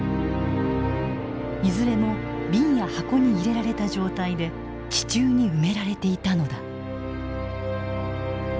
いずれも瓶や箱に入れられた状態で地中に埋められていたのだ。